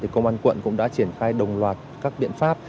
công an quận cũng đã triển khai đồng loạt các biện pháp